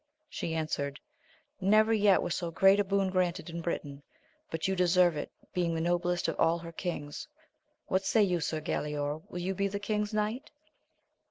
She answered, Never yet was so great a boon granted in Britain ! but you deserve it," being the noblest of all her kings : what say you, sir Galaor ? will you be the king's knight?